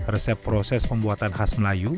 resep proses pembuatan khas melayu